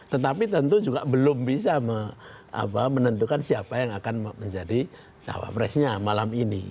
tetapi tentu juga belum bisa menentukan siapa yang akan menjadi cawapresnya malam ini